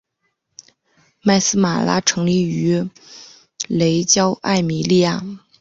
麦丝玛拉成立于雷焦艾米利亚。